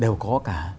đều có cả